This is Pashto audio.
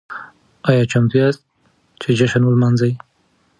ايا چمتو ياست چې جشن ولمانځئ؟